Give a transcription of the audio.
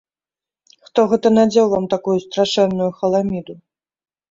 Хто гэта надзеў вам такую страшэнную халаміду?